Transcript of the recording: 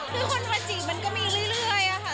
คือคนมาจีบมันก็มีเรื่อยค่ะ